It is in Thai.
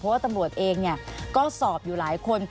เพราะว่าตำรวจเองก็สอบอยู่หลายคน